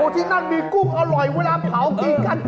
ที่นั่นมีกุ้งอร่อยเวลาเผากินกัน